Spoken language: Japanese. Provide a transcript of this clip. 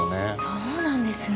そうなんですね。